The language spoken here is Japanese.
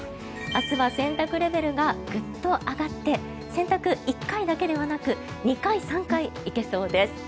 明日は洗濯レベルがグッと上がって洗濯、１回だけではなく２回、３回行けそうです。